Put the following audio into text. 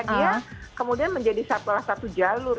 dia kemudian menjadi salah satu jalur